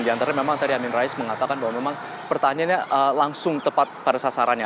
di antara memang tadi amin rais mengatakan bahwa memang pertanyaannya langsung tepat pada sasarannya